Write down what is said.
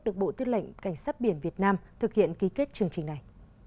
được bộ tư lệnh cảnh sát biển việt nam thực hiện ký kết chương trình này